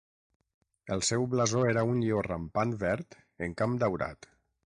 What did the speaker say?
El seu blasó era un lleó rampant verd en camp daurat.